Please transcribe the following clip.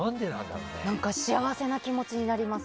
幸せな気持ちになります。